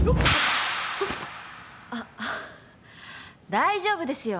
大丈夫ですよ